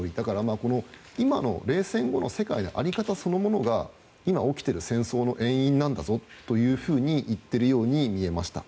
今の冷戦後の世界の在り方そのものが今、起きている戦争の遠因なんだぞと言っているように見えました。